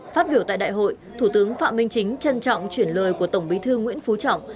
phát biểu tại đại hội thủ tướng phạm minh chính trân trọng chuyển lời của tổng bí thư nguyễn phú trọng